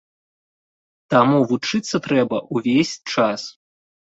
Таму вучыцца трэба ўвесь час.